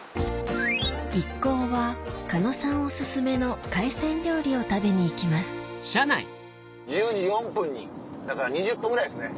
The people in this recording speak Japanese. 一行は狩野さんおすすめの海鮮料理を食べに行きます１０時４分にだから２０分ぐらいですね。